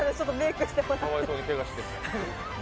かわいそうに、けがして。